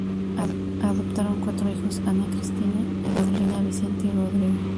Adoptaron cuatro hijos: Ana Cristina, Paulina, Vicente y Rodrigo.